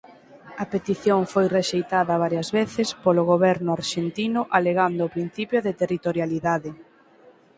A petición foi rexeitada varias veces polo goberno arxentino alegando o principio de territorialidade.